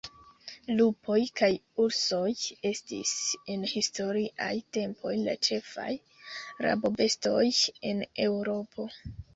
Lupoj kaj ursoj estis en historiaj tempoj la ĉefaj rabobestoj en Eŭropo.